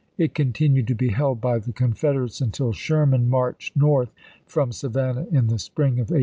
It continued to be held by the Confed erates until Sherman marched North from Savan nah in the spring of 1865.